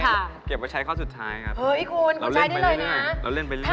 เดินทางเก็บไว้ใช้ข้อสุดท้ายครับเฮ้ยคุณคุณใช้ได้เลยนะเราเล่นไปเรื่อย